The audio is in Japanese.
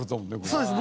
そうです。